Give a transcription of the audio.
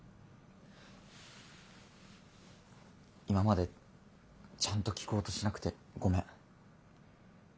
今までちゃんと聞こうとしなくてごめん。